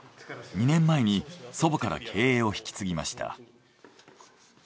２年前に祖母から経営を引き継ぎました。